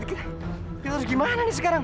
kita harus gimana nih sekarang